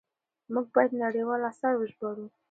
موږ بايد نړيوال آثار وژباړو.